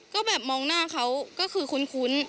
ก็แบบมองหน้าเขาก็คือคุ้น